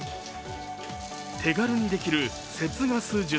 手軽にできる節ガス術。